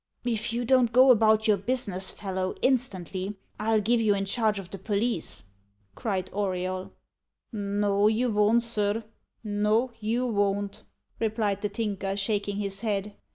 "If you don't go about your business, fellow, instantly, I'll give you in charge of the police," cried Auriol. "No, you von't, sir no, you von't," replied the Tinker, shaking his head.